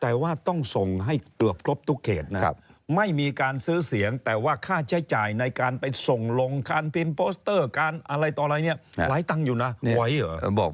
แต่ว่าต้องส่งให้เกือบครบทุกเขตนะครับไม่มีการซื้อเสียงแต่ว่าค่าใช้จ่ายในการไปส่งลงการพิมพ์โปสเตอร์การอะไรต่ออะไรเนี่ยหลายตังค์อยู่นะไหวเหรอ